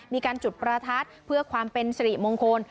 มีการจุดประทัดเพื่อความเป็นสิริมงคล